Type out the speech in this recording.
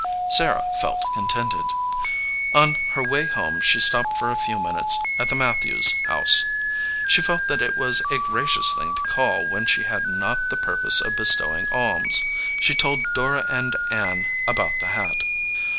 Sarah felt contented. On her way home she stopped for a few minutes at the Matthews house. She felt that it was a gra cious thing to call when she had not the purpose of bestowing alms. She told Dora and Ann about the hat.